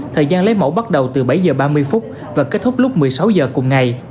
thời gian lấy mẫu bắt đầu từ bảy giờ ba mươi phút và kết thúc lúc một mươi sáu giờ cùng ngày